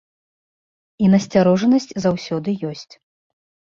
І насцярожанасць заўсёды ёсць.